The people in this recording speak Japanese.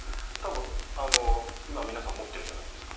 多分今皆さん持ってるじゃないですか。